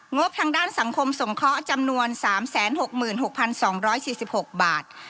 บทางด้านสังคมสงเคราะห์จำนวน๓๖๖๒๔๖บาท